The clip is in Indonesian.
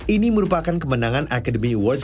ini merupakan kemenangan akademi awards